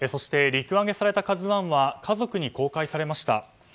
陸揚げされた「ＫＡＺＵ１」は家族に公開されました。